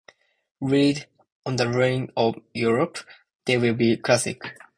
Read on the ruins of Europe, they will be classics.